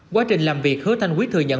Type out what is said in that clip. quá trình làm việc hứa thanh quý thừa nhận